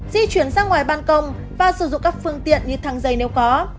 di chuyển ra ngoài bàn công và sử dụng các phương tiện như thang dây nếu có